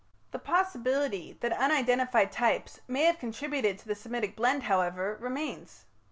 The possibility that unidentified types may have contributed to the Semitic blend, however, remains.